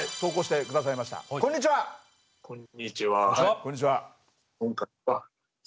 こんにちは。